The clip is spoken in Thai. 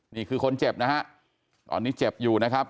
นี่คือคนเจ็บนะฮะตอนนี้เจ็บอยู่นะครับ